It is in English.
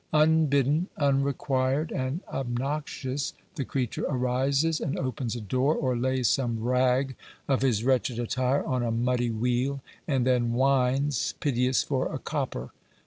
Unbidden, unrequired, and obnoxious, the creature arises, and opens a door, or lays some rag of his wretched attire on a muddy wheel, and then whines, piteous, for a copper.